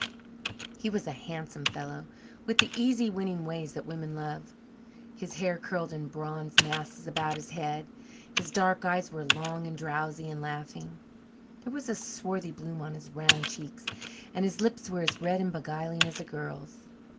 He was a handsome fellow, with the easy, winning ways that women love. His hair curled in bronze masses about his head; his dark eyes were long and drowsy and laughing; there was a swarthy bloom on his round cheeks; and his lips were as red and beguiling as a girl's.